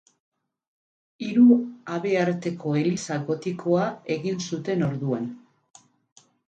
Hiru habearteko eliza gotikoa egin zuten orduan.